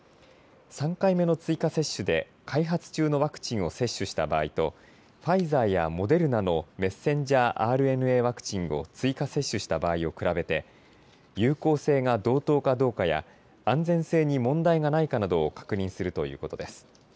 ３回目の追加接種で開発中のワクチンを接種した場合とファイザーやモデルナのｍＲＮＡワクチンを追加接種した場合を比べて有効性が同等かどうかや安全性に問題がないかなどを確認するということです。